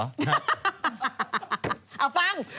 เอาฟัง